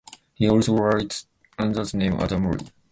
He also writes under the name Adam Lee.